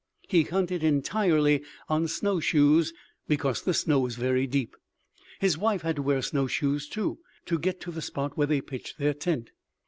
"He hunted entirely on snow shoes, because the snow was very deep. His wife had to wear snow shoes too, to get to the spot where they pitched their tent.